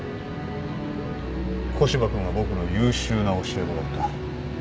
古芝君は僕の優秀な教え子だった。